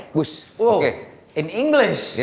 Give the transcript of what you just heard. itu pertanyaan saya